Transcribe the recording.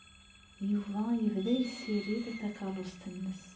Yuba yebda yessirid takeṛṛust-nnes.